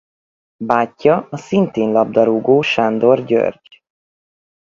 Bátyja a szintén labdarúgó Sándor György.